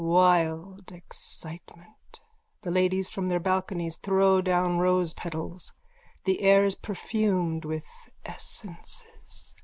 Wild excitement. The ladies from their balconies throw down rosepetals. The air is perfumed with essences.